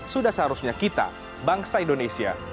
sudah seharusnya kita bangsa indonesia